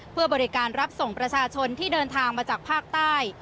เพื่อบริการรับส่งประชาชนที่เดินทางมาจากภาคใต้